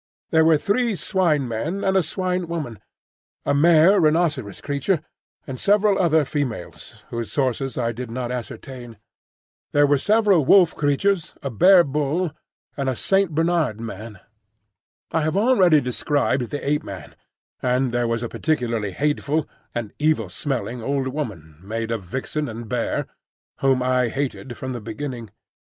There were three Swine men and a Swine woman, a mare rhinoceros creature, and several other females whose sources I did not ascertain. There were several wolf creatures, a bear bull, and a Saint Bernard man. I have already described the Ape man, and there was a particularly hateful (and evil smelling) old woman made of vixen and bear, whom I hated from the beginning.